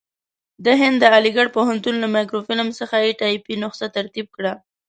د هند د علیګړ پوهنتون له مایکروفیلم څخه یې ټایپي نسخه ترتیب کړه.